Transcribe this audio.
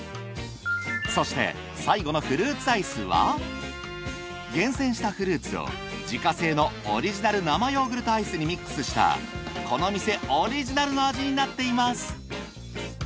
そして最後のフルーツアイスは厳選したフルーツを自家製のオリジナル生ヨーグルトアイスにミックスしたこの店オリジナルの味になっています。